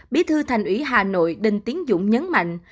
bí thư thành ủy hà nội đinh tiến dũng nhấn mạnh